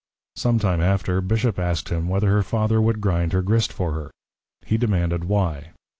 Some time after, Bishop asked him, whether her Father would grind her Grist for her? He demanded why?